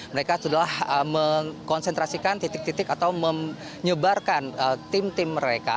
mereka sudah mengkonsentrasikan titik titik atau menyebarkan tim tim mereka